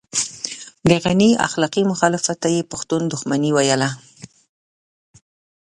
د غني اخلاقي مخالفت ته يې پښتون دښمني ويله.